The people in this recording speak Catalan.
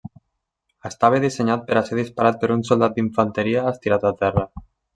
Estava dissenyat per a ser disparat per un soldat d'infanteria estirat a terra.